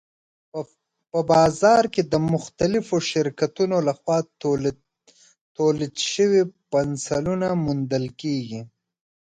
په بازار کې د مختلفو شرکتونو لخوا تولید شوي پنسلونه موندل کېږي.